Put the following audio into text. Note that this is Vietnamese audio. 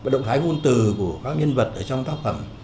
động thái ngôn từ của các nhân vật ở trong tác phẩm